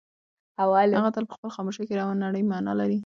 هغه تل په خپلې خاموشۍ کې یوه نړۍ مانا لري.